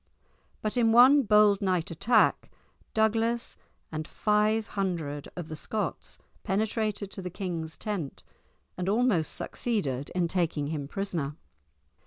But in one bold night attack, Douglas and five hundred of the Scots penetrated to the king's tent, and almost succeeded in taking him prisoner.